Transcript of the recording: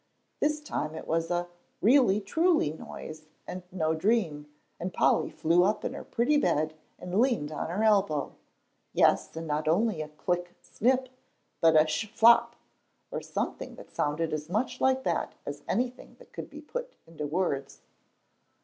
This time it was a "really truly" noise, and no dream, and Polly flew up in her pretty bed and leaned on her elbow. Yes, and not only a click snip, but a sh flop! or something that sounded as much like that as anything that could be put into words.